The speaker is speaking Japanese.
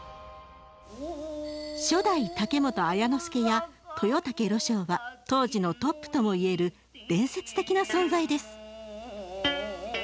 初代竹本綾之助や豊竹呂昇は当時のトップともいえる伝説的な存在です。